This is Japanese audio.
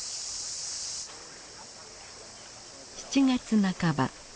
７月半ば。